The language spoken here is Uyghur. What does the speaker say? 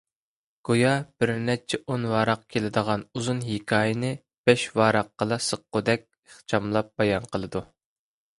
گويا بىرنەچچە ئون ۋاراق كېلىدىغان ئۇزۇن ھېكايىنى بەش ۋاراققىلا سىغقۇدەك ئىخچاملاپ بايان قىلىدۇ.